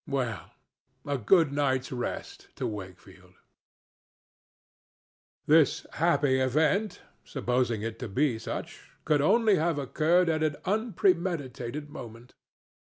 Well, a good night's rest to Wakefield! This happy event—supposing it to be such—could only have occurred at an unpremeditated moment.